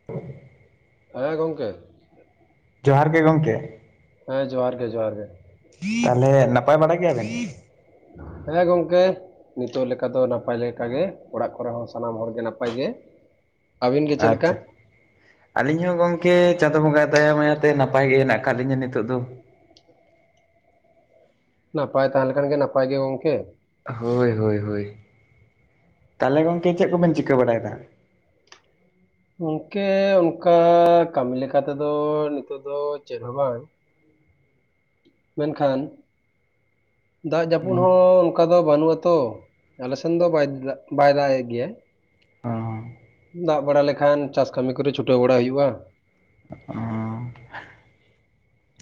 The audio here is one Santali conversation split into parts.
[inaudible] ᱦᱮᱸ ᱜᱚᱢᱠᱮ ᱡᱚᱦᱟᱨ ᱜᱮ ᱜᱚᱢᱠᱮ ᱦᱮᱸ ᱡᱚᱦᱟᱨ ᱜᱮ ᱡᱚᱦᱟᱨ ᱜᱮ ᱛᱟᱦᱚᱞᱮ ᱱᱟᱯᱟᱭ ᱵᱟᱲᱟ ᱜᱮᱭᱟ ᱵᱮᱱ? ᱦᱮᱸ ᱜᱚᱢᱠᱮ ᱱᱤᱛᱚᱜ ᱞᱮᱠᱟ ᱫᱚ ᱱᱟᱯᱟᱭ ᱞᱮᱠᱟᱜᱮ ᱚᱲᱟᱜ ᱠᱚᱨᱮ ᱦᱚᱸ ᱥᱟᱱᱟᱢ ᱦᱚᱲ ᱜᱮ ᱱᱟᱯᱟᱭ ᱜᱮ ᱟᱹᱵᱤᱱ ᱜᱮ ᱪᱮᱫ ᱞᱮᱠᱟ ᱟᱪᱪᱷᱟ᱾ ᱟᱹᱞᱤᱧ ᱦᱚᱸ ᱜᱚᱢᱠᱮ ᱪᱟᱸᱫᱳ ᱵᱚᱸᱜᱟ ᱣᱟᱜ ᱫᱟᱭᱟ ᱢᱟᱭᱟ ᱛᱮ ᱱᱟᱯᱟᱭ ᱜᱮ ᱦᱮᱱᱟᱜ ᱠᱟᱫ ᱞᱤᱧᱟᱹ ᱱᱤᱛᱚᱜ ᱫᱚ ᱱᱟᱯᱟᱭ ᱛᱟᱦᱮᱸ ᱞᱮᱠᱷᱟᱱ ᱜᱮ ᱱᱟᱯᱟᱭ ᱜᱮ ᱜᱚᱢᱠᱮ ᱦᱳᱭ ᱦᱳᱭ ᱦᱳᱭ, ᱛᱟᱦᱚᱞᱮ ᱜᱚᱢᱠᱮ ᱪᱮᱫ ᱠᱚᱵᱮᱱ ᱪᱤᱠᱟᱹ ᱵᱟᱲᱟᱭᱮᱫᱟ? ᱜᱚᱝᱠᱮ ᱚᱱᱠᱟ ᱠᱟᱹᱢᱤ ᱞᱮᱠᱟ ᱛᱮ ᱫᱚ ᱱᱤᱛᱚᱜ ᱫᱚ ᱪᱮᱫ ᱦᱚᱸ ᱵᱟᱝ ᱢᱮᱱᱠᱷᱟᱱ ᱫᱟᱜ ᱡᱟᱹᱯᱩᱫᱽ ᱦᱚᱸ ᱚᱱᱠ ᱚᱱᱠᱟ ᱫᱚ ᱵᱟᱹᱱᱩᱜ ᱟᱛᱚ, ᱟᱞᱮᱥᱮᱱ ᱫᱚ ᱵᱟᱭ ᱫᱟᱜᱮᱫ ᱜᱮᱭᱟ᱾ ᱦᱚᱸ ᱫᱟᱜ ᱵᱟᱲᱟ ᱞᱮᱠᱷᱟᱱ ᱪᱟᱥ ᱠᱟᱹᱢᱤ ᱠᱚᱨᱮ ᱪᱷᱩᱴᱟᱹᱣ ᱵᱟᱲᱟ ᱦᱩᱭᱩᱜᱼᱟ ᱾ [unintelligible]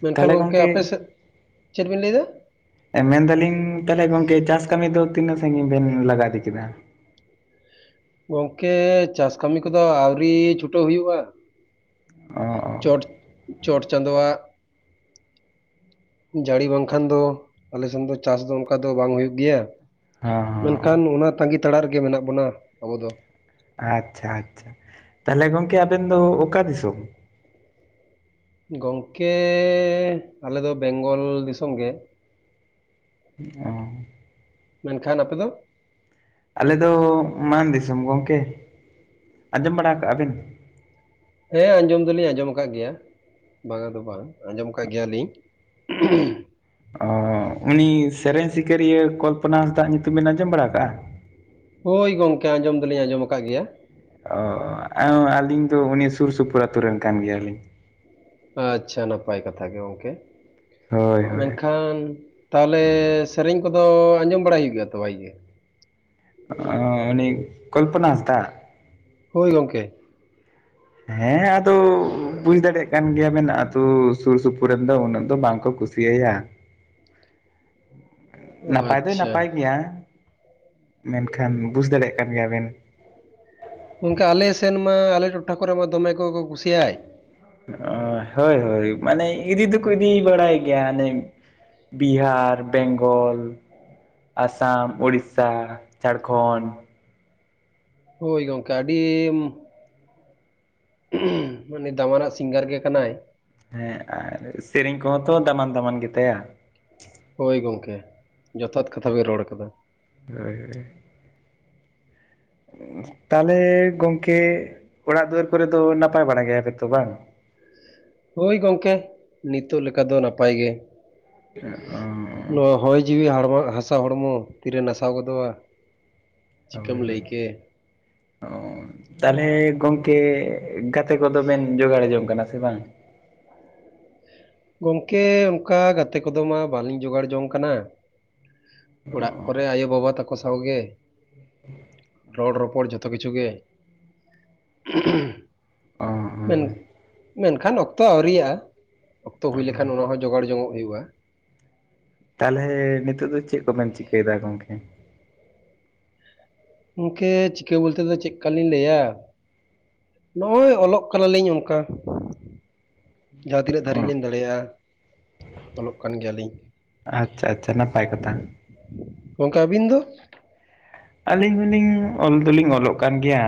ᱢᱮᱱᱠᱷᱟᱱ ᱛᱟᱦᱚᱞᱮ ᱜᱚᱢᱠᱮ ᱜᱚᱝᱠᱮ ᱟᱯᱮ ᱥᱮᱫ ᱪᱮᱫ ᱵᱮᱱ ᱞᱟᱹᱭ ᱮᱫᱟ? ᱮᱸ ᱢᱮᱱᱫᱟᱞᱤᱧ ᱛᱟᱦᱚᱞᱮ ᱜᱚᱢᱠᱮ ᱪᱟᱥ ᱠᱟᱹᱢᱤ ᱫᱚ ᱛᱤᱱᱟᱹᱜ ᱥᱟᱺᱜᱤᱧ ᱵᱮᱱ ᱞᱟᱜᱟ ᱤᱫᱤ ᱠᱮᱫᱟ? ᱜᱚᱢᱠᱮ ᱪᱟᱥ ᱠᱟᱹᱢᱤ ᱠᱚᱫᱚ ᱟᱹᱣᱨᱤ ᱪᱷᱩᱴᱟᱹᱣ ᱦᱩᱭᱩᱜᱼᱟ᱾ ᱚ ᱚ ᱪᱚᱴ ᱪᱚᱴ ᱪᱟᱸᱫᱚᱼᱟ᱾ ᱡᱟᱹᱲᱤ ᱵᱟᱝᱠᱷᱟᱱ ᱫᱚ ᱟᱞᱮᱥᱱ ᱫᱚ ᱪᱟᱥ ᱫᱚ ᱚᱱᱠᱟ ᱫᱚ ᱵᱟᱝ ᱦᱩᱭᱩᱜ ᱜᱮᱭᱟ᱾ ᱦᱚᱸ ᱦᱚᱸ ᱢᱮᱱᱠᱷᱟᱱ ᱚᱱᱟ ᱛᱟᱸᱜᱤ ᱛᱟᱲᱟ ᱨᱮᱜᱮ ᱢᱮᱱᱟᱜ ᱵᱚᱱᱟ ᱟᱵᱚ ᱫᱚ ᱾ ᱟᱪᱪᱷᱟ ᱟᱪᱪᱷᱟ ᱛᱟᱦᱞᱮ ᱜᱚᱢᱠᱮ ᱟᱵᱮᱱ ᱫᱚ ᱚᱠᱟ ᱫᱤᱥᱚᱢ? ᱜᱚᱢᱠᱮ ᱟᱞᱮ ᱫᱚ ᱵᱮᱝᱜᱚᱞ ᱫᱤᱥᱚᱢ ᱜᱮ᱾ ᱚ ᱢᱮᱱᱠᱷᱟᱱ ᱟᱯᱮ ᱫᱚ? ᱟᱞᱮ ᱫᱚ ᱢᱟᱱ ᱫᱤᱥᱚᱢ ᱜᱚᱢᱠᱮ, ᱟᱸᱡᱚᱢ ᱵᱟᱲᱟ ᱟᱠᱟᱜᱼᱟ ᱵᱮᱱ? ᱦᱮᱸ ᱟᱸᱡᱚᱢ ᱫᱚᱞᱤᱧ ᱟᱸᱡᱚᱢ ᱟᱠᱟᱫ ᱜᱮᱭᱟ ᱵᱟᱝᱟ ᱫᱚ ᱵᱟᱝ ᱟᱸᱡᱚᱢ ᱟᱠᱟᱫ ᱜᱮᱭᱟᱞᱤᱧ [unintelligible] ᱚ ᱩᱱᱤ ᱥᱮᱨᱮᱧ ᱥᱤᱠᱟᱹᱨᱤᱭᱟᱹ ᱠᱚᱞᱯᱚᱱᱟ ᱦᱟᱸᱥᱫᱟ ᱧᱩᱛᱩᱢ ᱵᱮᱱ ᱟᱸᱡᱚᱢ ᱵᱟᱲᱟ ᱟᱠᱟᱜᱼᱟ? ᱦᱳᱭ ᱜᱚᱢᱠᱮ ᱟᱸᱡᱚᱢ ᱫᱚᱞᱤᱧ ᱟᱸᱡᱚᱢ ᱟᱠᱟᱫ ᱜᱮᱭᱟ᱾ ᱚ ᱟᱹᱞᱤᱧ ᱫᱚ ᱩᱱᱤ ᱥᱩᱨ ᱥᱩᱯᱩᱨ ᱟᱛᱩ ᱨᱮᱱ ᱠᱟᱱ ᱜᱮᱭᱟᱞᱤᱧ ᱾ ᱟᱪᱪᱷᱟ ᱱᱟᱯᱟᱭ ᱠᱟᱛᱷᱟ ᱜᱮ ᱜᱚᱝᱠᱮ ᱦᱳᱭ ᱦᱳᱭ ᱢᱮᱱᱠᱷᱟᱱ ᱛᱟᱦᱚᱞᱮ ᱥᱮᱨᱮᱧ ᱠᱚᱫᱚ ᱟᱸᱡᱚᱢ ᱵᱟᱲᱟᱭ ᱦᱩᱭᱩᱜᱼᱟ ᱛᱚ ᱵᱷᱟᱭᱜᱮ ᱚ ᱩᱱᱤ ᱠᱚᱞᱯᱱᱟ ᱦᱟᱸᱥᱫᱟ ᱦᱳᱭ ᱜᱚᱢᱠᱮ ᱦᱮᱸ ᱟᱫᱚ ᱵᱩᱡᱽ ᱫᱟᱲᱮᱭᱟᱜ ᱠᱟᱱ ᱜᱮᱭᱟ ᱵᱮᱱ ᱟᱛᱩ ᱥᱩᱨ ᱥᱩᱯᱩᱨ ᱨᱮᱱ ᱫᱚ ᱩᱱᱟᱹᱜ ᱫᱚ ᱵᱟᱝ ᱠᱚ ᱠᱩᱥᱤ ᱠᱩᱥᱤᱭᱟᱭᱟ ᱱᱟᱯᱟᱭ ᱫᱚᱭ ᱟᱪᱪᱷᱟ ᱱᱟᱯᱟᱭ ᱜᱮᱭᱟ᱾ ᱢᱮᱱᱠᱷᱟᱱ ᱵᱩᱡᱽ ᱫᱟᱲᱮᱜ ᱠᱟᱱ ᱜᱮᱭᱟᱵᱮᱱ ᱚᱱᱠᱟ ᱟᱞᱮ ᱥᱮᱱ ᱢᱟ ᱟᱞᱮ ᱴᱚᱴᱷᱟ ᱠᱚᱨᱮ ᱢᱟ ᱫᱚᱢᱮ ᱠᱚᱠᱚ ᱠᱩᱥᱤᱭᱟᱭ᱾ ᱚ ᱦᱳᱭ ᱦᱳᱭ ᱢᱟᱱᱮ ᱤᱫᱤ ᱫᱚᱠᱚ ᱤᱫᱤᱭ ᱵᱟᱲᱟᱭ ᱜᱮᱭᱟ ᱦᱟᱱᱮ ᱵᱤᱦᱟᱨ ᱵᱮᱝᱜᱚᱞ ᱟᱥᱟᱢ, ᱳᱲᱤᱥᱟ, ᱡᱷᱟᱲᱠᱷᱚᱸᱰ᱾ ᱦᱳᱭ ᱜᱚᱝᱠᱮ ᱟᱹᱰᱤᱢ ᱢᱟᱱᱮ ᱫᱟᱢᱟᱱᱟᱜ ᱥᱤᱝᱜᱟᱨ ᱜᱮ ᱠᱟᱱᱟᱭ, ᱦᱮᱸ ᱟᱨ ᱥᱮᱨᱮᱧ ᱠᱚᱦᱚᱸ ᱛᱚ ᱫᱟᱢᱟᱱ ᱫᱟᱢᱟᱱ ᱜᱮᱛᱟᱭᱟ᱾ ᱦᱳᱭ ᱜᱚᱝᱠᱮ ᱡᱚᱛᱷᱟᱛ ᱠᱟᱛᱷᱟ ᱵᱮ ᱨᱚᱲ ᱟᱠᱟᱫᱟ᱾ ᱦᱳᱭ ᱦᱳᱭ᱾ ᱛᱟᱦᱚᱞᱮ ᱜᱚᱝᱠᱮ ᱚᱲᱟᱜ ᱫᱩᱣᱟᱹᱨ ᱠᱚᱨᱮ ᱫᱚ ᱱᱟᱯᱟᱭ ᱵᱟᱲᱟ ᱜᱮᱭᱟᱯᱮ ᱛᱚ ᱵᱟᱝ? ᱦᱳᱭ ᱜᱚᱝᱠᱮ, ᱱᱤᱛᱚᱜ ᱞᱮᱠᱟ ᱫᱚ ᱱᱟᱯᱟᱭ ᱜᱮ᱾ ᱮ ᱚᱸᱻ᱾ ᱱᱚᱣᱟ ᱦᱚᱭ ᱡᱤᱣᱤ ᱦᱚᱲᱢᱚ ᱦᱟᱥᱟ ᱦᱚᱲᱢᱚ ᱛᱤᱨᱮ ᱱᱟᱥᱟᱣ ᱜᱚᱫᱚᱜᱼᱟ [inaudible] ᱚᱸ᱾ ᱪᱤᱠᱟᱹᱢ ᱞᱟᱹᱭ ᱠᱮ ᱛᱟᱦᱚᱞᱮ ᱜᱚᱝᱠᱮ ᱜᱟᱛᱮ ᱠᱚᱫᱚ ᱵᱮᱱ ᱡᱚᱜᱟᱲ ᱡᱚᱝ ᱠᱟᱱᱟ ᱥᱮ ᱵᱟᱝ? ᱜᱚᱝᱠᱮ ᱚᱱᱠᱟ ᱜᱟᱛᱮ ᱠᱚᱫᱚ ᱢᱟ ᱵᱟᱞᱤᱧ ᱡᱚᱜᱟᱲ ᱡᱚᱝ ᱠᱟᱱᱟ᱾ ᱚᱲᱟᱜ ᱚ ᱠᱚᱨᱮ ᱟᱭᱳ ᱵᱟᱵᱟ ᱛᱠᱚ ᱥᱟᱶ ᱜᱮ ᱨᱚᱲ ᱨᱚᱯᱚᱲ ᱡᱚᱛᱚ ᱠᱤᱪᱷᱩ ᱜᱮ, ᱚ ᱢᱮᱱ ᱢᱮᱱᱠᱷᱟᱱ ᱚᱠᱛᱚ ᱟᱹᱣᱨᱤᱭᱟᱜᱼᱟ᱾ ᱚᱠᱛᱚ ᱦᱩᱭ ᱞᱮᱠᱷᱟᱱ ᱚᱱᱟ ᱦᱚᱸ ᱡᱚᱜᱟᱲ ᱡᱚᱝᱚᱜ ᱦᱩᱭᱩᱜᱼᱟ᱾ ᱛᱟᱞᱦᱮ ᱱᱤᱛᱚᱜ ᱫᱚ ᱪᱮᱫ ᱠᱚ ᱵᱮᱢ ᱪᱤᱠᱟᱹᱭᱮᱫᱟ ᱜᱚᱝᱠᱮ? ᱜᱚᱝᱠᱮ ᱪᱤᱠᱟᱹ ᱵᱚᱞ ᱛᱮ ᱫᱚ ᱪᱮᱫᱠᱟ ᱞᱤᱧ ᱞᱟᱹᱭᱟ, ᱱᱚᱜᱼᱚᱭ ᱚᱞᱚᱜ ᱠᱟᱱᱟᱞᱤᱧ ᱚᱱᱠᱟ᱾ ᱡᱟᱦᱟᱸ ᱛᱤᱱᱟᱹᱜ ᱫᱟᱨᱤᱡ ᱚ ᱞᱤᱧ ᱫᱟᱲᱮᱭᱟᱜᱼᱟ, ᱚᱞᱚᱜ ᱠᱟᱱ ᱜᱮᱭᱟᱞᱤᱧ᱾ ᱟᱪᱪᱷᱟ ᱟᱪᱪᱷᱟ ᱱᱟᱯᱟᱭ ᱠᱟᱛᱷᱟ᱾ ᱜᱚᱝᱠᱮ ᱟᱵᱤᱱ ᱫᱚ? ᱟᱹᱞᱤᱧ ᱦᱚᱸᱞᱤᱧ ᱚᱞ ᱫᱚᱞᱤᱧ ᱚᱞᱚᱜ ᱠᱟᱱ ᱜᱮᱭᱟ,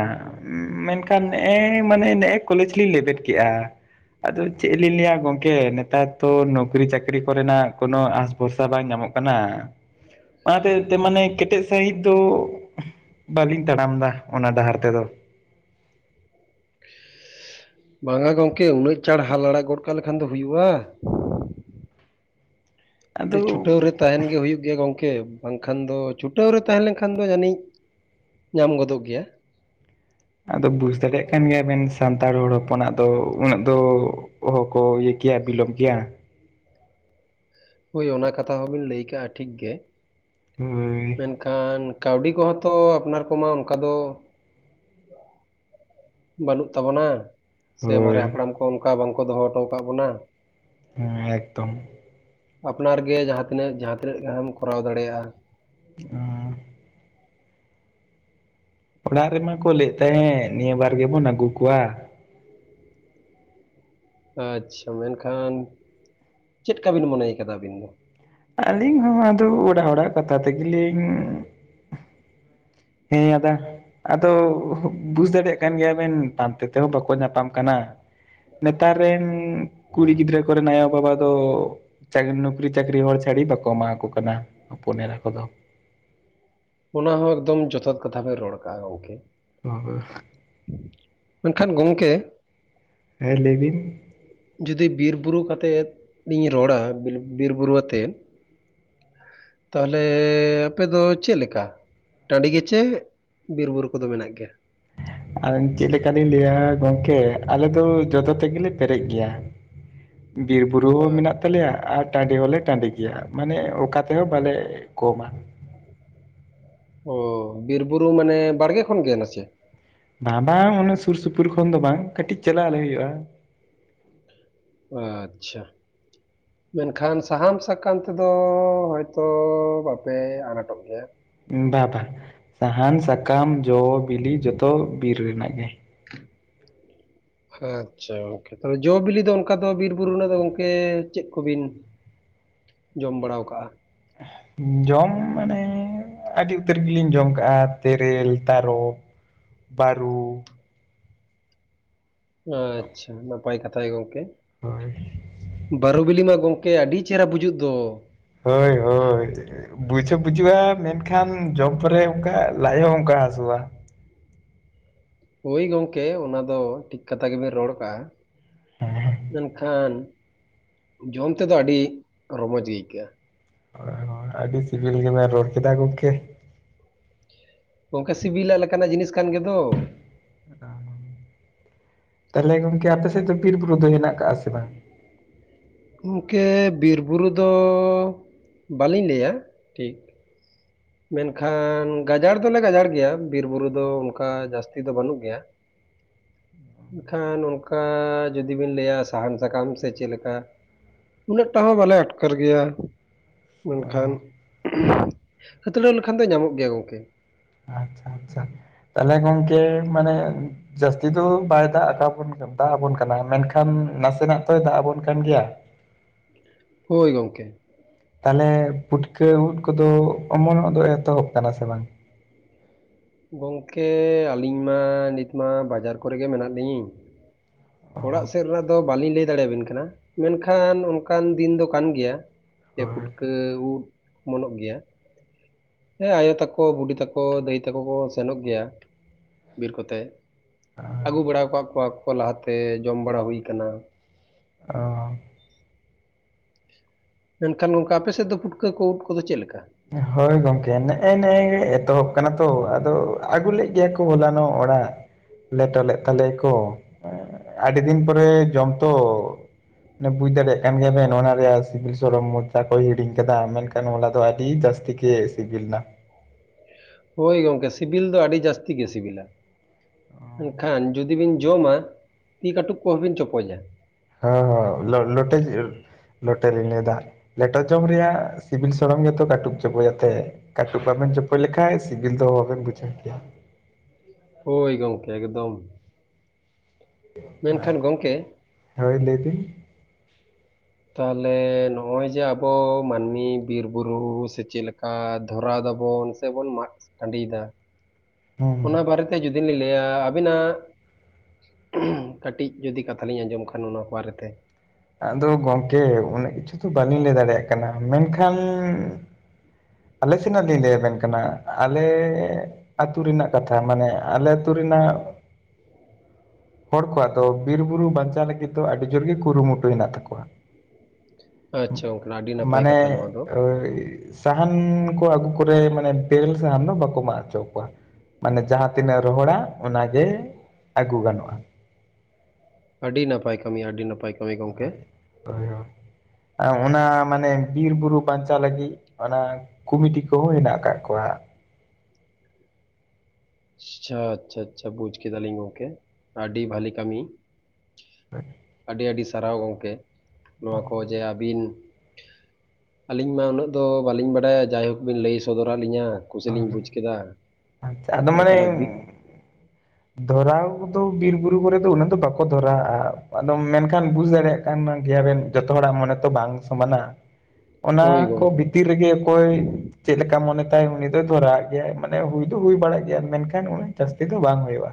ᱢᱮᱱᱠᱷᱟᱱ ᱱᱮᱜᱼᱮ ᱢᱟᱱᱮ ᱱᱮᱜᱼᱮᱭ ᱠᱚᱞᱮᱡᱽ ᱞᱤᱧ ᱞᱮᱵᱮᱫ ᱠᱮᱜᱼᱟ᱾ ᱟᱫᱚ ᱪᱮᱫ ᱞᱤᱧ ᱞᱟᱹᱭᱟ ᱜᱚᱝᱠᱮ ᱱᱮᱛᱟᱨ ᱛᱚ ᱱᱚᱠᱨᱤ ᱪᱟᱹᱠᱨᱤ ᱠᱚ ᱨᱮᱱᱟᱜ ᱠᱳᱱᱳ ᱟᱸᱥ ᱵᱷᱚᱨᱥᱟ ᱵᱟᱝ ᱧᱟᱢᱚᱜ ᱠᱟᱱᱟ, ᱚᱱᱟᱛᱮ ᱛᱮ ᱢᱟᱱᱮ ᱠᱮᱴᱮᱡ ᱥᱟᱺᱦᱤᱡ ᱫᱚ, ᱵᱟᱹᱞᱤᱧ ᱛᱟᱲᱟᱢ ᱮᱫᱟ ᱚᱱᱟ ᱰᱟᱦᱟᱨ ᱛᱮᱫᱚ᱾ ᱵᱟᱝᱟ ᱜᱚᱝᱠᱮ ᱩᱱᱟᱹᱜ ᱪᱟᱲ ᱦᱟᱞ ᱞᱟᱲᱟ ᱜᱚᱫ ᱠᱟᱜ ᱞᱮᱠᱷᱟᱱ ᱫᱚ ᱦᱩᱭᱩᱜᱼᱟ, ᱟᱫᱚ ᱠᱟᱹᱴᱤᱡ ᱪᱷᱩᱴᱟᱹᱣ ᱨᱮ ᱛᱟᱦᱮᱸᱱ ᱜᱮ ᱦᱩᱭᱩᱜ ᱜᱮ ᱜᱚᱝᱠᱮ, ᱵᱟᱝᱠᱷᱟᱱ ᱫᱚ ᱪᱷᱩᱴᱟᱹᱣ ᱨᱮ ᱛᱟᱦᱮᱸ ᱞᱮᱱᱠᱷᱟᱱ ᱫᱚ ᱡᱟᱹᱱᱤᱡ, ᱧᱟᱢ ᱜᱚᱫᱚᱜ ᱜᱮᱭᱟ᱾ ᱟᱫᱚ ᱵᱩᱡᱽ ᱫᱟᱲᱮᱭᱟᱜ ᱠᱟᱱ ᱜᱮᱭᱟ ᱵᱮᱱ ᱥᱟᱱᱛᱟᱲ ᱦᱚᱲ ᱦᱚᱯᱚᱱᱟᱜ ᱫᱚ ᱩᱱᱟᱹᱜ ᱫᱚ ᱚᱦᱚ ᱠᱚ ᱤᱭᱟᱹ ᱠᱮᱭᱟ ᱵᱤᱞᱚᱢ ᱠᱮᱭᱟ᱾ ᱦᱳᱭ ᱚᱱᱟ ᱠᱟᱛᱷᱟ ᱦᱚᱸ ᱵᱤᱱ ᱞᱟᱹᱭ ᱠᱟᱜᱼᱟ ᱴᱷᱤᱠ ᱜᱮ, ᱦᱳᱭ ᱢᱮᱱᱠᱷᱟᱱ ᱠᱟᱹᱣᱰᱤ ᱠᱚᱦᱚᱸ ᱛᱚ ᱟᱯᱱᱟᱨ ᱠᱚᱢᱟ ᱚᱝᱠᱟ ᱫᱚ ᱵᱟᱹᱱᱩᱜ ᱛᱟᱵᱚᱱᱟ, ᱥᱮ ᱢᱟᱨᱮ ᱦᱳᱭ ᱦᱟᱯᱲᱟᱢ ᱠᱚ ᱚᱱᱠᱟ ᱵᱟᱝᱠᱚ ᱫᱚᱦᱚ ᱦᱚᱴᱚ ᱠᱟᱜ ᱵᱚᱱᱟ᱾ ᱦᱮᱸ ᱮᱠᱫᱚᱢ᱾ ᱟᱯᱱᱟᱨ ᱜᱮ ᱡᱟᱦᱟᱸ ᱛᱤᱱᱟᱹᱜ ᱡᱟᱦᱟᱸ ᱛᱤᱱᱟᱹᱜ ᱜᱮᱦᱟᱢ ᱠᱚᱨᱟᱣ ᱫᱟᱲᱮᱭᱟᱜᱼᱟ᱾ [inaudible] ᱚᱲᱟᱜ ᱨᱮᱢᱟ ᱠᱚ ᱞᱟᱹᱭᱮᱫ ᱛᱟᱦᱮᱸᱫ ᱱᱤᱭᱟᱹ ᱵᱟᱨ ᱜᱮᱵᱚᱱ ᱟᱹᱜᱩ ᱠᱚᱣᱟ, ᱟᱪᱪᱷᱟ ᱢᱮᱱᱠᱷᱟᱱ, ᱪᱮᱫᱠᱟ ᱵᱤᱱ ᱢᱚᱱᱮᱭ ᱠᱟᱫᱟ ᱟᱹᱵᱤᱱ ᱫᱚ? ᱟᱹᱞᱤᱧ ᱦᱚᱸ ᱟᱫᱚ ᱚᱲᱟᱜ ᱦᱚᱲᱟᱜ ᱠᱟᱛᱷᱟ ᱛᱮᱜᱮᱞᱤᱧ ᱦᱮᱸ ᱟᱫᱟ᱾ ᱟᱫᱚ ᱵᱩᱡᱷ ᱫᱟᱲᱮᱭᱟᱜ ᱠᱟᱱ ᱜᱮᱭᱟ ᱵᱮᱱ, ᱯᱟᱱᱛᱮ ᱛᱮᱦᱚᱸ ᱵᱟᱠᱚ ᱧᱟᱯᱟᱢ ᱠᱟᱱᱟ᱾ ᱱᱮᱛᱟᱨ ᱨᱮᱱ ᱠᱩᱲᱤ ᱜᱤᱫᱽᱨᱟᱹ ᱠᱚᱨᱮᱱ ᱟᱭᱳ ᱵᱟᱵᱟ ᱫᱚ ᱪᱟᱠᱨᱤ, ᱱᱩᱠᱨᱤ ᱪᱟᱠᱨᱤ ᱦᱚᱲ ᱪᱷᱟᱹᱲᱤ ᱵᱟᱠᱚ ᱮᱢᱟ ᱠᱚ ᱠᱟᱱᱟ ᱦᱚᱯᱚᱱ ᱮᱨᱟ ᱠᱚᱫᱚ᱾ ᱚᱱᱟ ᱦᱚᱸ ᱮᱠᱫᱚᱢ ᱡᱚᱛᱷᱟᱚᱛ ᱠᱟᱛᱷᱟ ᱯᱮ ᱨᱚᱲ ᱟᱠᱟᱫᱟᱼᱟ ᱜᱚᱢᱠᱮ᱾ [unintelligible] ᱢᱮᱱᱠᱷᱟᱱ ᱜᱚᱝᱠᱮ ᱦᱮᱸ ᱞᱟᱹᱭ ᱵᱤᱱ ᱡᱩᱫᱤ ᱵᱤᱨᱵᱩᱨᱩ ᱠᱟᱛᱮᱫ ᱤᱧ ᱨᱚᱲᱟ᱾ ᱵᱤᱨᱵᱩᱨᱩ ᱟᱛᱮ ᱛᱟᱦᱚᱞᱮ ᱟᱯᱮᱫᱚ ᱪᱮᱫ ᱞᱮᱠᱟ? ᱴᱟᱺᱰᱤ ᱜᱮᱪᱮ ᱵᱤᱨ ᱵᱩᱨᱩ ᱠᱚᱫᱚ ᱢᱮᱱᱟᱜ ᱜᱮᱭᱟ? ᱟᱫᱚ ᱪᱮᱫ ᱞᱮᱠᱟᱞᱤᱧ ᱞᱟᱹᱭᱟ ᱜᱚᱝᱠᱮ ᱟᱞᱮ ᱫᱚ ᱡᱚᱛᱚ ᱛᱤᱜᱤᱞᱮ ᱯᱮᱨᱮᱡ ᱜᱮᱭᱟ᱾ ᱵᱤᱨ ᱵᱩᱨᱩ ᱦᱳᱭ, ᱢᱮᱱᱟᱜ ᱛᱟᱞᱮᱭᱟ ᱟᱨ ᱴᱟᱺᱰᱤ ᱦᱚᱸᱞᱮ ᱴᱟᱺᱰᱤ ᱜᱮᱭᱟ, ᱢᱟᱱᱮ ᱚᱠᱟ ᱛᱮᱦᱚᱸ ᱵᱟᱞᱮ ᱠᱚᱢᱟ᱾ ᱚ ᱵᱤᱨ ᱵᱩᱨᱩ ᱢᱟᱱᱮ ᱵᱟᱲᱜᱮ ᱠᱷᱚᱱ ᱜᱮ ᱱᱟᱥᱮ᱾ ᱵᱟᱝ ᱵᱟᱝ ᱚᱱᱟ ᱥᱩᱨ ᱥᱩᱯᱩᱨ ᱠᱷᱚᱱ ᱫᱚ ᱵᱟᱝ ᱠᱟᱹᱴᱤᱡ ᱪᱟᱞᱟᱜ ᱟᱞᱮ ᱦᱩᱭᱩᱜᱼᱟ᱾ ᱟᱪᱪᱷᱟ᱾ [unintelligible] ᱢᱮᱱᱠᱷᱟᱱ ᱥᱟᱦᱟᱱ ᱥᱟᱠᱟᱢ ᱛᱮᱫᱚ ᱦᱚᱭᱛᱚ ᱵᱟᱯᱮ ᱟᱱᱟᱴᱚᱜ ᱜᱮᱭᱟ᱾ ᱵᱟ ᱵᱟ ᱥᱟᱦᱟᱱ ᱥᱟᱠᱟᱢ ᱡᱚ ᱵᱤᱞᱤ ᱡᱚᱛᱚ ᱵᱤᱨ ᱨᱮᱱᱟᱜ ᱜᱮ᱾ [unintelligible] ᱦᱮᱸ ᱟᱪᱪᱷᱟ ᱜᱚᱝᱠᱮ ᱡᱚ ᱵᱤᱞᱤ ᱫᱚ ᱚᱱᱠᱟ ᱫᱚ ᱵᱤᱨᱵᱩᱨᱩ ᱨᱮᱱᱟᱜ ᱫᱚ ᱜᱚᱝᱠᱮ ᱪᱮᱫ ᱠᱚᱵᱤᱱ ᱡᱚᱢ ᱵᱟᱲᱟᱣ ᱠᱟᱜᱼᱟ ᱡᱚᱢ ᱢᱟᱱᱮ ᱟᱹᱰᱤ ᱩᱛᱟᱹᱨ ᱜᱮᱞᱤᱧ ᱡᱚᱢ ᱠᱟᱜᱼᱟ ᱛᱮᱨᱮᱞ ᱛᱟᱨᱚᱵ ᱵᱟᱹᱨᱩ᱾ ᱟᱪᱪᱷᱟ ᱱᱟᱯᱟᱭ ᱠᱟᱛᱷᱟ ᱜᱚᱝᱠᱮ᱾ ᱦᱳᱭ ᱵᱟᱹᱨᱩ ᱵᱤᱞᱤ ᱢᱟ ᱜᱚᱢᱠᱮ ᱟᱹᱰᱤ ᱪᱮᱦᱨᱟ ᱵᱩᱡᱩᱜ ᱫᱚ᱾ ᱦᱳᱭ ᱦᱳᱭ᱾ ᱵᱩᱡ ᱦᱚᱸ ᱵᱩᱡᱩᱜᱼᱟ᱾ ᱢᱮᱱᱠᱷᱟᱱ ᱡᱚᱢ ᱯᱚᱨᱮ ᱚᱱᱠᱟ ᱞᱟᱡ ᱦᱚᱸ ᱚᱱᱠᱟ ᱦᱟᱹᱥᱩᱜᱼᱟ᱾ ᱦᱳᱭ ᱜᱚᱢᱠᱮ ᱚᱱᱟ ᱫᱚ ᱴᱷᱤᱠ ᱠᱟᱛᱷᱟ ᱜᱮᱵᱮᱱ ᱨᱚᱲ ᱠᱟᱜᱼᱟ᱾ ᱦᱮᱸ ᱢᱮᱱᱠᱷᱟᱱ ᱡᱚᱢ ᱛᱮᱫᱚ ᱟᱹᱰᱤ ᱨᱚᱢᱚᱡ ᱜᱮ ᱟᱹᱭᱠᱟᱹᱜᱼᱟ᱾ ᱦᱳᱭ ᱦᱳᱭ ᱟᱹᱰᱤ ᱥᱤᱵᱤᱞ ᱜᱮᱵᱮᱱ ᱨᱚᱲ ᱠᱮᱫᱟ ᱜᱚᱢᱠᱮ᱾ ᱜᱚᱝᱠᱮ ᱥᱤᱵᱤᱞᱟᱜ ᱞᱮᱠᱟᱱᱟᱜ ᱡᱤᱱᱤᱥ ᱠᱟᱱ ᱜᱮᱫᱚ᱾ ᱟᱨ ᱛᱟᱦᱚᱞᱮ ᱜᱚᱝᱠᱮ ᱟᱯᱮ ᱥᱮᱫ ᱫᱚ ᱵᱤᱨ ᱵᱩᱨᱩ ᱫᱚ ᱦᱮᱱᱟᱜ ᱟᱠᱟᱫᱼᱟ ᱥᱮ ᱵᱟᱝ? ᱜᱚᱢᱠᱮ ᱵᱤᱨ ᱵᱩᱨᱩ ᱫᱚ ᱵᱟᱹᱞᱤᱧ ᱞᱟᱹᱭᱟ ᱴᱷᱤᱠ᱾ ᱢᱮᱱᱠᱷᱟᱱ ᱜᱟᱡᱟᱲ ᱫᱚᱞᱮ ᱜᱟᱡᱟᱲ ᱜᱮᱭᱟ ᱵᱤᱨ ᱵᱩᱨᱩ ᱫᱚ ᱚᱱᱠᱟ ᱡᱟᱹᱥᱛᱤ ᱫᱚ ᱵᱟᱹᱱᱩᱜ ᱜᱮᱭᱟ᱾ [unintelligible] ᱮᱱᱠᱷᱟᱱ ᱚᱱᱠᱟ ᱡᱩᱫᱤ ᱵᱤᱱ ᱞᱟᱹᱭᱟ ᱥᱟᱦᱟᱱ ᱥᱟᱠᱟᱢ ᱥᱮ ᱪᱮᱫ ᱞᱮᱠᱟ ᱩᱱᱟᱹᱜ ᱴᱟ ᱦᱚᱸ ᱵᱟᱞᱮ ᱟᱴᱠᱟᱨ ᱜᱮᱭᱟ, ᱚ ᱢᱮᱱᱠᱷᱟᱱ ᱦᱟᱹᱛᱲᱟᱹᱣ ᱞᱮᱠᱷᱟᱱ ᱫᱚ ᱧᱟᱢᱚᱜ ᱜᱮᱭᱟ ᱜᱚᱝᱠᱮ᱾ ᱟᱪᱪᱷᱟ ᱟᱪᱪᱷᱟ, ᱛᱟᱦᱚᱞᱮ ᱜᱚᱝᱠᱮ ᱢᱟᱱᱮ ᱡᱟᱹᱥᱛᱤ ᱫᱚ ᱵᱟᱭ ᱫᱟᱜ ᱟᱠᱟ ᱵᱚᱱ ᱫᱟᱜ ᱟᱵᱚᱱ ᱠᱟᱱᱟ ᱢᱮᱱᱠᱷᱟᱱ ᱱᱟᱥᱮᱱᱟᱜ ᱫᱚᱚᱭ ᱫᱟᱜ ᱟᱵᱚᱱ ᱠᱟᱱ ᱜᱮᱭᱟ᱾ [unintelligible] ᱦᱳᱭ ᱜᱚᱢᱠᱮ᱾ ᱛᱟᱦᱚᱞᱮ ᱯᱩᱴᱠᱟᱹ ᱩᱫ ᱠᱚᱫᱚ ᱚᱢᱚᱱᱚᱜ ᱫᱚ ᱮᱛᱚᱦᱚᱵ ᱠᱟᱱᱟ ᱥᱮ ᱵᱟᱝ? ᱜᱚᱝᱠᱮ ᱟᱹᱞᱤᱧ ᱢᱟ ᱱᱤᱛᱢᱟ ᱵᱟᱡᱟᱨ ᱠᱚᱨᱮᱜᱮ ᱢᱮᱱᱟᱜ ᱞᱤᱧ᱾ ᱚ ᱚᱲᱟᱜ ᱥᱮᱫ ᱨᱮᱱᱟᱜ ᱫᱚ ᱵᱟᱹᱞᱤᱧ ᱞᱟᱹᱭ ᱫᱟᱲᱮᱭᱟᱵᱤᱱ ᱠᱟᱱᱟ, ᱢᱮᱱᱠᱷᱟᱱ ᱚᱱᱠᱟᱱ ᱫᱤᱱ ᱫᱚ ᱠᱟᱱ ᱜᱮᱭᱟ ᱡᱮ ᱦᱳᱭ ᱯᱩᱴᱠᱟᱹ ᱩᱫ ᱚᱢᱚᱱᱚᱜ ᱜᱮᱭᱟ, ᱦᱮᱸ ᱟᱭᱳ ᱛᱟᱠᱚ, ᱵᱩᱰᱤ ᱛᱟᱠᱚ, ᱫᱟᱹᱭ ᱛᱮᱠᱚ ᱠᱚ ᱥᱮᱱᱚᱜ ᱜᱮᱭᱟ ᱵᱤᱨ ᱠᱚᱛᱮ ᱟᱹᱜᱩ ᱵᱟᱲᱟᱣ ᱠᱟᱫ ᱠᱚᱣᱟ ᱠᱚ ᱞᱟᱦᱟᱛᱮ ᱡᱚᱢ ᱵᱟᱲᱟ ᱦᱩᱭ ᱟᱠᱟᱱᱟ ᱾ ᱚᱻ ᱾ ᱢᱮᱱᱠᱷᱟᱱ ᱚᱱᱠᱟ ᱟᱯᱮ ᱥᱮᱫ ᱫᱚ ᱯᱩᱴᱠᱟᱹ ᱠᱚ ᱩᱫ ᱠᱚᱫᱚ ᱪᱮᱫ ᱞᱮᱠᱟ? ᱦᱳᱭ ᱜᱚᱝᱠᱮ, ᱱᱮᱜᱼᱮ ᱱᱮᱜᱼᱮ ᱜᱮ ᱮᱛᱚᱦᱚᱵ ᱠᱟᱱᱟ ᱛᱚ ᱟᱫᱚ ᱟᱹᱜᱩ ᱞᱮᱫ ᱜᱮᱭᱟ ᱠᱚ ᱦᱚᱞᱟᱱᱚᱜ ᱚᱲᱟᱜ ᱞᱮᱴᱚ ᱞᱮᱫ ᱛᱟᱞᱮᱭᱟᱠᱚ ᱟᱹᱰᱤ ᱫᱤᱱ ᱯᱚᱨᱮ ᱡᱚᱢ ᱛᱚ ᱢᱟᱱᱮ ᱵᱩᱡ ᱫᱟᱲᱮᱭᱟᱜ ᱠᱟᱱ ᱜᱮᱭᱟ ᱵᱮᱱ ᱚᱱᱟ ᱨᱮᱭᱟᱜ ᱥᱤᱵᱤᱞ ᱥᱚᱲᱚᱢ ᱢᱚᱪᱟ ᱠᱚ ᱦᱤᱲᱤᱧ ᱠᱟᱫᱟ ᱢᱮᱱᱠᱷᱟᱱ ᱦᱚᱞᱟ ᱫᱚ ᱟᱹᱰᱤ ᱡᱟᱹᱥᱛᱤ ᱜᱮ ᱥᱤᱵᱤᱞᱱᱟ ᱾ ᱦᱳᱭ ᱜᱚᱝᱠᱮ, ᱥᱤᱵᱤᱞ ᱫᱚ ᱟᱹᱰᱤ ᱡᱟᱹᱥᱛᱤ ᱜᱮ ᱥᱤᱵᱤᱞᱟ ᱾ ᱢᱮᱱᱱᱠᱷᱟᱱ ᱡᱩᱫᱤ ᱵᱤᱱ ᱡᱚᱢᱟ ᱛᱤ ᱠᱟᱹᱴᱩᱠ ᱠᱚᱦᱚᱸ ᱵᱤᱱ ᱪᱚᱯᱚᱡᱟ ᱾ ᱦᱚ ᱦᱚ ᱞᱚ ᱞᱚᱴᱮ ᱞᱤᱴᱮ ᱞᱤᱧ ᱞᱟᱭ ᱫᱟ, ᱞᱮᱴᱚ ᱡᱚᱢ ᱨᱮᱭᱟᱜ ᱥᱤᱵᱤᱞ ᱥᱚᱲᱚᱢ ᱡᱚᱛᱚ ᱠᱟᱹᱴᱩᱵ ᱪᱚᱯᱚᱡ ᱠᱟᱛᱮ ᱾ ᱠᱟᱹᱴᱩᱵ ᱵᱟᱵᱮᱱ ᱪᱚᱯᱚᱡ ᱞᱮᱠᱷᱟᱡ ᱥᱤᱵᱤᱞ ᱫᱚ ᱵᱟᱵᱮᱱ ᱵᱩᱡᱷᱟᱹᱣ ᱠᱮᱭᱟ ᱾ ᱦᱳᱣ ᱜᱚᱢᱠᱮ ᱮᱠᱫᱚᱢ ᱾ ᱢᱮᱱᱠᱷᱟᱱ ᱜᱚᱝᱠᱮ ᱾ ᱦᱳᱣ ᱞᱟᱹᱭ ᱵᱮᱱ ᱾ ᱛᱟᱦᱚᱞᱮ ᱱᱚᱜ-ᱚᱭ ᱡᱮ ᱟᱵᱚ ᱢᱟᱹᱱᱢᱤ ᱵᱤᱨ ᱵᱩᱨᱩ ᱥᱮ ᱪᱮᱫ ᱞᱮᱠᱟ ᱫᱷᱚᱨᱟᱣ ᱫᱟᱵᱚᱱ ᱥᱮ ᱵᱚᱱ ᱢᱟᱜ ᱴᱟᱺᱰᱤᱭᱮᱫᱟ, ᱦᱩᱸ ᱦᱩᱸ ᱚᱱᱟ ᱵᱟᱨᱮᱛᱮ ᱡᱩᱫᱤ ᱞᱤᱧ ᱞᱟᱹᱭᱟ ᱟᱵᱤᱱᱟᱜ ᱠᱟᱹᱴᱤᱡ ᱡᱩᱫᱤ ᱠᱟᱛᱷᱟᱞᱤᱧ ᱟᱸᱡᱚᱢ ᱠᱷᱟᱱ ᱚᱱᱟ ᱵᱟᱨᱮᱛᱮ ᱾ ᱟᱫᱚ ᱜᱚᱝᱠᱮ ᱩᱱᱟᱹᱜ ᱠᱤᱪᱷᱩ ᱫᱚ ᱵᱟᱹᱞᱤᱧ ᱞᱟᱹᱭ ᱫᱟᱲᱮᱭᱟᱜ ᱠᱟᱱᱟ, ᱢᱮᱱᱠᱷᱟᱱ ᱟᱞᱮ ᱥᱮᱱᱟᱜ ᱞᱤᱧ ᱞᱟᱹᱭ ᱟᱵᱮᱱ ᱠᱟᱱᱟ ᱟᱞᱮ ᱟᱹᱛᱩ ᱨᱮᱱᱟᱜ ᱠᱟᱛᱷᱟ ᱢᱟᱱᱮ ᱟᱞᱮ ᱟᱹᱛᱩ ᱨᱮᱱᱟᱜ ᱦᱚᱲ ᱠᱚᱣᱟᱜ ᱫᱚ ᱵᱤᱨ ᱵᱩᱨᱩ ᱵᱟᱧᱪᱟᱣ ᱞᱟᱹᱜᱤᱫ ᱫᱚ ᱟᱹᱰᱤ ᱡᱳᱨ ᱜᱮ ᱠᱩᱨᱩᱢᱩᱴᱩ ᱦᱮᱱᱟᱜ ᱛᱟᱠᱚᱣᱟ ᱟᱪᱪᱷᱟ ᱜᱚᱝᱠᱮ ᱟᱹᱰᱤ ᱾ ᱱᱟᱯᱟᱭ ᱢᱟᱱᱮ ᱠᱟᱛᱷᱟ ᱱᱚᱣᱟ ᱫᱚ᱾ ᱥᱟᱦᱟᱱ ᱠᱚ ᱟᱹᱜᱩ ᱠᱚᱨᱮ ᱢᱟᱱᱮ ᱵᱮᱨᱮᱞ ᱥᱟᱦᱟᱱ ᱫᱚ ᱵᱟᱠᱚ ᱢᱟᱜ ᱦᱚᱪᱚ ᱟᱠᱚᱣᱟ ᱾ ᱢᱟᱱᱮ ᱡᱟᱦᱟᱸ ᱛᱤᱱᱟᱹᱜ ᱨᱚᱦᱚᱲᱟ ᱚᱱᱟ ᱜᱮ ᱟᱹᱜᱩ ᱜᱟᱱᱚᱜᱼᱟ᱾ ᱟᱹᱰᱤ ᱱᱟᱯᱟᱭ ᱠᱟᱹᱢᱤ ᱟᱹᱰᱤ ᱱᱟᱯᱟᱭ᱾ ᱠᱟᱹᱢᱤ ᱜᱚᱝᱠᱮ᱾ [unintelligible] ᱟᱨ ᱚᱱᱟ ᱢᱟᱱᱮ ᱵᱤᱨ ᱵᱩᱨᱩ ᱵᱟᱧᱪᱟᱜ ᱞᱟᱹᱜᱤᱫ ᱚᱱᱟ ᱠᱚᱢᱤᱴᱤ ᱠᱚᱦᱚᱸ ᱦᱮᱱᱟᱜ ᱟᱠᱟᱫ ᱠᱚᱣᱟ᱾ ᱟᱪᱪᱷᱟ ᱟᱪᱪᱷᱟ ᱟᱪᱪᱷᱟ ᱵᱩᱡᱽ ᱠᱮᱫᱟᱞᱤᱧ ᱜᱚᱝᱠᱮ ᱟᱹᱰᱤ ᱵᱷᱟᱞᱤ ᱠᱟᱹᱢᱤ᱾ [unintelligible] ᱟᱹᱰᱤ ᱟᱹᱰᱤ ᱥᱟᱨᱦᱟᱣ ᱜᱚᱢᱠᱮ ᱱᱚᱣᱟ ᱠᱚ ᱡᱮ ᱟᱹᱵᱤᱱ ᱟᱹᱞᱤᱧ ᱢᱟ ᱩᱱᱟᱹᱜ ᱫᱚ ᱵᱟᱹᱞᱤᱧ ᱵᱟᱰᱟᱭᱟ ᱡᱟᱭ ᱦᱳᱠ ᱵᱤᱱ ᱞᱟᱹᱭ ᱥᱚᱫᱚᱨᱟᱫ ᱞᱤᱧᱟᱹ᱾ ᱠᱩᱥᱤ ᱚ ᱞᱤᱧ ᱵᱩᱡ ᱠᱮᱫᱟ ᱟᱪᱪᱷᱟ ᱟᱫᱚ ᱢᱟᱱᱮ ᱱᱚᱝᱠᱟᱱᱟᱜ ᱵᱤ ᱫᱷᱚᱨᱟᱣ ᱠᱚᱫᱚ ᱵᱤᱨ ᱵᱩᱨᱩ ᱠᱚᱨᱮ ᱫᱚ ᱩᱱᱟᱹᱜ ᱫᱚ ᱵᱟᱠᱚ ᱫᱷᱚᱨᱟᱣᱟᱜ-ᱟ, ᱟᱫᱚᱢ ᱢᱮᱱᱠᱷᱟᱱ ᱵᱩᱡ ᱫᱟᱲᱮᱭᱟᱜ ᱠᱟᱱ ᱜᱮᱭᱟᱵᱮᱱ ᱡᱚᱛᱚ ᱦᱚᱲᱟᱜ ᱢᱚᱱᱮ ᱛᱚ ᱵᱟᱝ ᱥᱚᱢᱟᱱᱟ ᱾ ᱦᱳᱭ ᱚᱱᱟ ᱠᱚ ᱜᱚᱢᱠᱮ ᱵᱷᱤᱛᱤᱨ ᱨᱮᱜᱮ ᱚᱠᱚᱭ ᱪᱮᱫ ᱞᱮᱠᱟ ᱢᱚᱱᱮ ᱛᱟᱭ ᱩᱱᱤ ᱫᱷᱚᱨᱟᱣᱮᱫ ᱜᱮᱭᱟᱭ ᱢᱟᱱᱮ ᱦᱩᱭ ᱫᱚ ᱦᱩᱭ ᱵᱟᱲᱟᱜ ᱜᱮᱭᱟ, ᱢᱮᱱᱠᱷᱟᱱ ᱩᱱᱟᱹᱜ ᱡᱟᱹᱥᱛᱤ ᱫᱚ ᱵᱟᱝ ᱦᱩᱭᱩᱜ-ᱟ᱾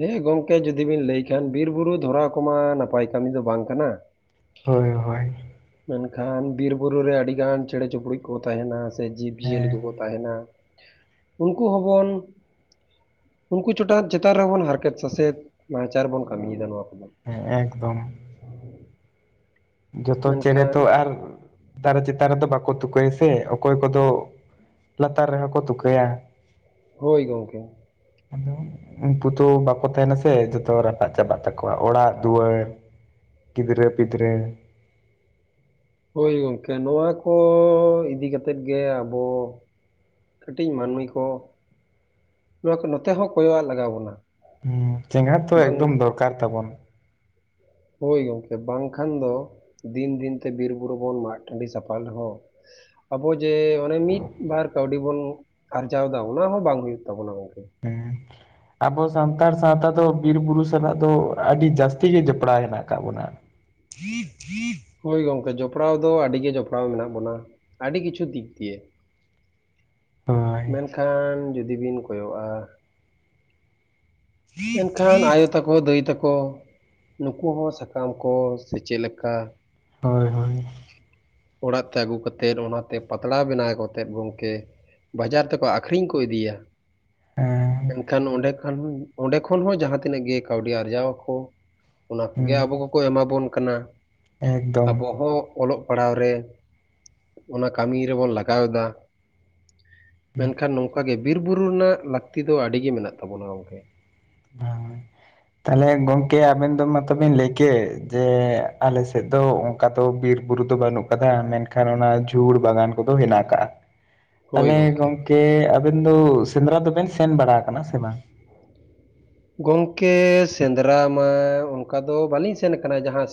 ᱦᱮᱸ, ᱜᱚᱢᱠᱮ ᱡᱩᱫᱤ ᱵᱤᱱ ᱞᱟᱹᱭ ᱠᱷᱟᱱ ᱵᱤᱨ ᱵᱩᱨᱩ ᱫᱷᱚᱨᱟᱣ ᱠᱚᱢᱟ ᱱᱟᱯᱟᱭ ᱠᱟᱹᱢᱤ ᱫᱚ ᱵᱟᱝ ᱠᱟᱱᱟ᱾ ᱦᱳᱭ ᱦᱳᱭ ᱾ ᱢᱮᱱᱠᱷᱟᱱ ᱵᱤᱨ ᱵᱩᱨᱩ ᱨᱮ ᱟᱹᱰᱤ ᱜᱟᱱ ᱪᱮᱸᱬᱮ ᱪᱩᱯᱩᱲᱩᱪ ᱠᱚ ᱛᱟᱦᱮᱸᱱᱟ ᱾ ᱥᱮ ᱡᱤᱵᱽᱼᱡᱤᱭᱟᱹᱞᱤ ᱦᱮᱸ ᱠᱚᱠᱚ ᱛᱟᱦᱮᱸᱱᱟ ᱩᱱᱠᱩ ᱦᱚᱸᱵᱚᱱ ᱩᱱᱠᱩ ᱪᱚᱴᱟᱛ ᱪᱮᱛᱟᱱ ᱨᱮᱵᱚᱱ ᱦᱟᱨᱠᱮᱛ ᱥᱟᱥᱮᱛ ᱱᱟᱦᱟ ᱪᱟᱨ ᱵᱚᱱ ᱠᱟᱹᱢᱤᱭᱮᱫᱟ ᱱᱚᱣᱟ ᱠᱚᱫᱚ᱾ ᱦᱮᱸ ᱮᱠᱫᱚᱢ, ᱡᱚᱛᱚ ᱪᱮᱸᱬᱮ ᱢᱮᱱᱠᱷᱟᱱ ᱛᱚ ᱟᱨ ᱫᱟᱨᱮ ᱪᱮᱛᱟᱱ ᱨᱮᱫᱚ ᱵᱟᱠᱚ ᱛᱩᱠᱟᱹᱭᱟ ᱥᱮ, ᱚᱠᱚᱭ ᱠᱚᱫᱚᱼᱼ ᱞᱟᱛᱟᱨ ᱨᱮᱦᱚᱸ ᱠᱚ ᱛᱩᱠᱟᱹᱭᱟ᱾ ᱦᱳᱣ ᱜᱚᱝᱠᱮ, ᱟᱫᱚᱼᱼ ᱩᱱᱠᱩᱛᱩ ᱵᱟᱠᱚ ᱛᱟᱦᱮᱸᱱᱟ ᱥᱮ ᱡᱚᱛᱚ ᱨᱟᱯᱟᱜ ᱪᱟᱵᱟᱜ ᱛᱟᱠᱚᱣᱟ ᱚᱲᱟᱜ, ᱫᱩᱣᱟᱹᱨ, ᱜᱤᱫᱽᱨᱟᱹ, ᱯᱤᱫᱽᱨᱟᱹ, ᱦᱳᱣ, ᱜᱚᱝᱠᱮ ᱱᱚᱣᱟ ᱠᱚ ᱤᱫᱤ ᱠᱟᱛᱮᱫ ᱜᱮ ᱟᱵᱚᱼᱼ ᱠᱟᱹᱴᱤᱡ ᱢᱟᱹᱱᱢᱤ ᱠᱚ ᱱᱚᱣᱟ ᱠᱚ ᱱᱚᱛᱮ ᱦᱚᱸ ᱠᱚᱭᱚᱼᱟᱜ ᱞᱟᱜᱟᱣᱟ ᱵᱚᱱᱟ᱾ ᱦᱩ, ᱪᱮᱸᱜᱟ ᱛᱚ ᱮᱠᱫᱚᱢ ᱵᱟᱝ ᱫᱚᱨᱠᱟᱨ ᱛᱟᱵᱚᱱ ᱦᱳᱣ ᱜᱚᱢᱠᱮ ᱵᱟᱝᱠᱷᱟᱱ ᱫᱚ ᱫᱤᱱ ᱫᱤᱱ ᱛᱮ ᱵᱤᱨ ᱵᱩᱨᱩ ᱵᱚᱱ ᱢᱟᱜ ᱴᱟᱺᱰᱤ ᱥᱟᱯᱷᱟ ᱨᱮᱦᱚᱸ ᱟᱵᱚ ᱡᱮ ᱚᱱᱮ ᱢᱤᱫ ᱵᱟᱨ ᱠᱟᱹᱣᱰᱤ ᱵᱚᱱ ᱟᱨᱡᱟᱣᱫᱟ ᱚᱱᱟ ᱦᱚᱸ ᱵᱟᱝ ᱦᱩᱭᱩᱜ ᱛᱟᱵᱚᱱᱟ ᱜᱚᱢᱠᱮ᱾ ᱦᱚᱢ [inaudible] ᱟᱵᱚ ᱥᱟᱱᱛᱟᱲ ᱥᱟᱶᱛᱟ ᱫᱚ ᱵᱤᱨ ᱵᱩᱨᱩ ᱥᱟᱞᱟᱜ ᱫᱚ ᱟᱹᱰᱤ ᱡᱟᱹᱥᱛᱤ ᱜᱮ ᱡᱚᱯᱲᱟᱣ ᱦᱮᱱᱟᱜ ᱟᱠᱟᱫ ᱵᱚᱱᱟ᱾ [inaudible] ᱦᱳᱣ ᱜᱚᱝᱠᱮ ᱡᱚᱯᱲᱟᱣ ᱫᱚ ᱟᱹᱰᱤ ᱜᱮ ᱡᱚᱯᱲᱟᱣ ᱢᱮᱱᱟᱜ ᱵᱚᱱᱟ ᱟᱹᱰᱤ ᱠᱤᱪᱷᱩ ᱫᱤᱠ ᱫᱤᱭᱮ᱾ ᱦᱳᱭ ᱢᱮᱱᱠᱷᱟᱱ ᱡᱩᱫᱤ ᱵᱤᱱ ᱠᱚᱭᱚᱜ-ᱟ, ᱢᱮᱱ ᱠᱷᱟᱱ ᱟᱭᱚ ᱛᱟᱠᱚ ᱫᱟᱹᱭ ᱛᱟᱠᱚ ᱱᱩᱠᱩ ᱦᱚᱸ ᱥᱟᱠᱟᱢ ᱠᱚ ᱥᱮ ᱪᱮᱫ ᱞᱮᱠᱟ ᱦᱳᱭ ᱦᱳᱭ ᱚᱲᱟᱜ ᱛᱮ ᱟᱹᱜᱩ ᱠᱟᱛᱮᱫ ᱚᱱᱟᱛᱮ ᱯᱟᱛᱲᱟ ᱵᱮᱱᱟᱣ ᱠᱟᱛᱮᱫ ᱜᱚᱢᱠᱮ ᱵᱟᱡᱟᱨ ᱛᱮᱠᱚ ᱟᱠᱷᱨᱤᱧ ᱠᱚ ᱤᱫᱤᱭᱟ᱾ ᱦᱮᱸ ᱢᱮᱱᱠᱷᱟᱱ ᱚᱸᱰᱮ ᱠᱷᱚᱱ ᱚᱸᱰᱮ ᱠᱷᱚᱱ ᱦᱚᱸ ᱡᱟᱦᱟᱸᱛᱤᱱᱟᱹᱜ ᱜᱮ ᱠᱟᱹᱣᱰᱤ ᱟᱨᱡᱟᱣ ᱟᱠᱚ ᱚᱱᱟ ᱠᱚᱜᱮ ᱦᱩᱸ ᱟᱵᱚ ᱠᱚᱠᱚ ᱮᱢᱟᱵᱚᱱ ᱠᱟᱱᱟ᱾ ᱮᱠᱫᱚᱢ ᱚ ᱚᱞᱚᱜ ᱯᱟᱲᱦᱟᱣ ᱨᱮ ᱚᱱᱟ ᱠᱟᱹᱢᱤ ᱨᱮᱵᱚᱱ ᱞᱟᱜᱟᱣ ᱮᱫᱟ ᱦᱩᱸ ᱢᱮᱱᱠᱷᱟᱱ ᱱᱚᱝᱠᱟ ᱜᱮ ᱵᱤᱨ ᱵᱩᱨᱩ ᱨᱮᱱᱟᱜ ᱞᱟᱹᱠᱛᱤ ᱫᱚ ᱟᱹᱰᱤ ᱜᱮ ᱢᱮᱱᱟᱜ ᱛᱟᱵᱚᱱᱟ ᱜᱚᱝᱠᱮ ᱦᱚᱢᱻ ᱛᱟᱦᱚᱞᱮ ᱜᱚᱝᱠᱮ ᱟᱵᱮᱱ ᱫᱚ ᱢᱟᱛᱚ ᱵᱮᱱ ᱞᱟᱹᱭ ᱠᱮᱫ ᱡᱮ ᱟᱞᱮᱥᱮᱫ ᱫᱚᱼᱼ ᱠᱟ ᱫᱚ ᱵᱤᱨ ᱵᱩᱨᱩ ᱫᱚ ᱵᱟᱹᱱᱩᱜ ᱠᱟᱫᱟ ᱢᱮᱱᱠᱷᱟᱱ ᱚᱱᱟ ᱡᱷᱩᱲ ᱵᱟᱜᱟᱱ ᱠᱚᱫᱚ ᱦᱮᱱᱟᱜ ᱟᱠᱟᱜᱼᱟ᱾ ᱛᱟᱦᱚᱞᱮ ᱜᱚᱝᱠᱮ ᱟᱵᱮᱱ ᱫᱚ ᱥᱮᱸᱫᱽᱨᱟ ᱫᱚᱵᱮᱱ ᱥᱮᱱ ᱵᱟᱲᱟ ᱠᱟᱱᱟ ᱥᱮ ᱵᱟᱝ? ᱜᱚᱢᱠᱮ ᱥᱮᱸᱫᱽᱨᱟ ᱢᱟ ᱚᱱᱠᱟ ᱫᱚ ᱵᱟᱹᱞᱤᱧ ᱥᱮᱱ ᱠᱟᱱᱟ ᱡᱟᱦᱟᱸᱼᱼ